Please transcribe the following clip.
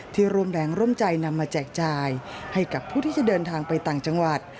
ร่วมแรงร่วมใจนำมาแจกจ่ายให้กับผู้ที่จะเดินทางไปต่างจังหวัด